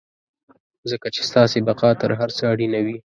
ځکه چې ستاسې بقا تر هر څه اړينه وي.